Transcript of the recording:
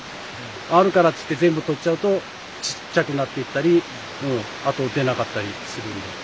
あるからっつって全部取っちゃうとちっちゃくなっていったりもうあと出なかったりするんで。